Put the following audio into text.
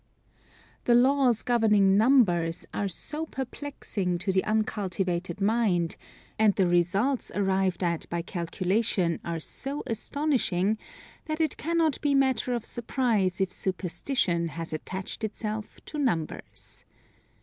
The laws governing numbers are so perplexing to the uncultivated mind, and the results arrived at by calculation are so astonishing, that it cannot be matter of surprise if superstition has attached itself to numbers.